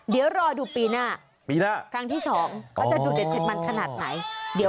เดี๋ยวรอดูปีหน้าปีหน้าครั้งที่๒เขาจะดูเด็ดเผ็ดมันขนาดไหน